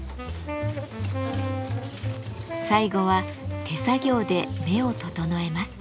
最後は手作業で目を整えます。